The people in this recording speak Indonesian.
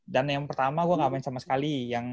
dan yang pertama gue gak main sama sekali